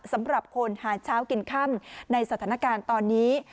สำหรับคนหาเช้ากินค่ำในสถานการณ์ตอนนี้